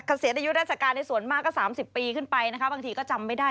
เกษียณอายุราชการในส่วนมากก็๓๐ปีขึ้นไปนะคะบางทีก็จำไม่ได้